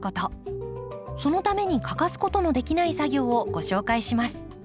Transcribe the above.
そのために欠かすことのできない作業をご紹介します。